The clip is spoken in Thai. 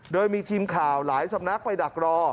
โดยมีทีมข่าวหลายสำนักไปดักรอ